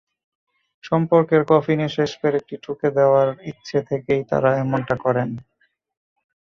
সম্পর্কের কফিনে শেষ পেরেকটি ঠুকে দেওয়ার ইচ্ছে থেকেই তাঁরা এমনটা করেন।